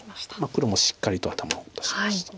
黒もしっかりと頭を出しました。